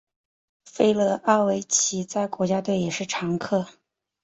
弗拉奥维奇在国家队也是常客。